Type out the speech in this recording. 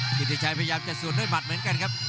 กิติชัยพยายามจะสวนด้วยหมัดเหมือนกันครับ